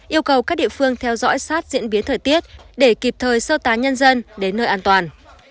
yêu cầu các địa phương theo dõi sát diễn biến thời tiết để kịp thời sơ tá nhân dân đến nơi an toàn